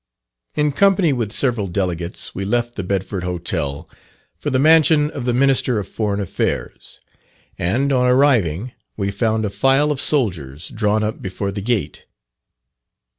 In company with several delegates, we left the Bedford Hotel for the mansion of the Minister of Foreign Affairs; and, on arriving, we found a file of soldiers drawn up before the gate.